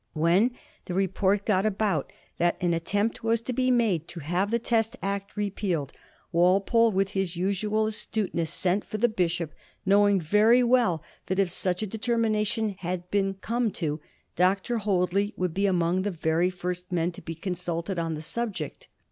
When the report got about that an attempt was to be made to have the Test Act repealed, Walpole, with his usual astute ness, sent for the bishop, knowing very well that, if such a determination had been come to. Dr. Hoadley would be among the very first men to be consulted on the subject.